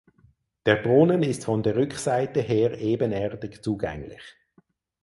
Der Brunnen ist von der Rückseite her ebenerdig zugänglich.